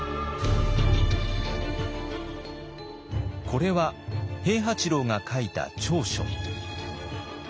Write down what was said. これは平八郎が書いた調書。